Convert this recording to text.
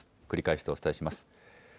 繰り返してお伝えします。